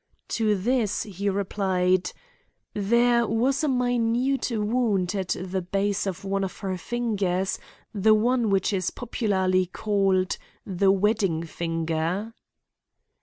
To this he replied "There was a minute wound at the base of one of her fingers, the one which is popularly called the wedding finger."